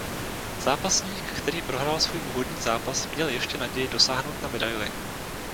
Zápasník který prohrál svůj úvodní zápas měl ještě naději dosáhnout na medaili.